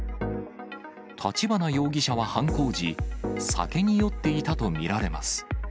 立花容疑者は犯行時、酒に酔っていたと見られます。